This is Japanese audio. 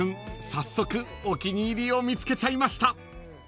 早速お気に入りを見つけちゃいました］